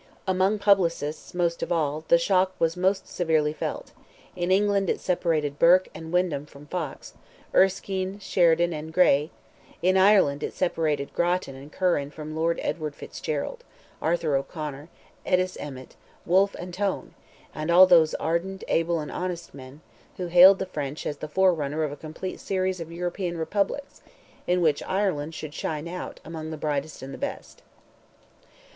Among publicists, most of all, the shock was most severely felt; in England it separated Burke and Windham from Fox, Erskine, Sheridan, and Grey; in Ireland it separated Grattan and Curran from Lord Edward Fitzgerald, Arthur O'Conor, Addis Emmet, Wolfe Tone, and all those ardent, able, and honest men, who hailed the French, as the forerunner of a complete series of European republics, in which Ireland should shine out, among the brightest and the best.